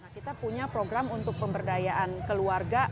kita punya program untuk pemberdayaan keluarga